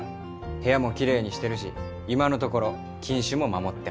部屋もきれいにしてるし今のところ禁酒も守ってます。